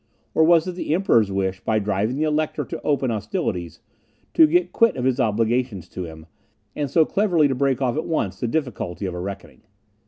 Or was it the Emperor's wish, by driving the Elector to open hostilities, to get quit of his obligations to him, and so cleverly to break off at once the difficulty of a reckoning?